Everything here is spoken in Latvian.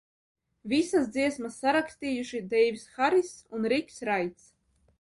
Visas dziesmas sarakstījuši Deivs Hariss un Riks Raits.